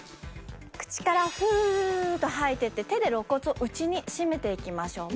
口からフーッと吐いていって手で肋骨を内に締めていきましょう。